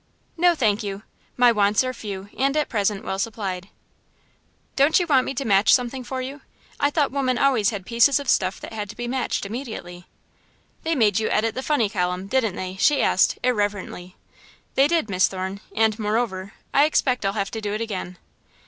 "No, thank you. My wants are few and, at present, well supplied." "Don't you want me to match something for you? I thought women always had pieces of stuff that had to be matched immediately." "They made you edit the funny column, didn't they?" she asked, irrelevantly. "They did, Miss Thorne, and, moreover, I expect I'll have to do it again."